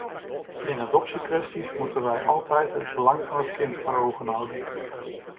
In adoptiekwesties moeten wij altijd het belang van het kind voor ogen houden.